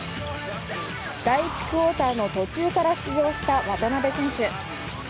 第１クオーターの途中から出場した渡邊選手。